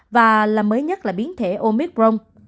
và là mới nhất là biến thể omicron